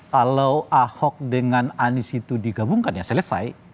kalau ahok dengan anies itu digabungkan ya selesai